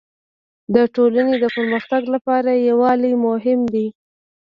د ټولني د پرمختګ لپاره يووالی مهم دی.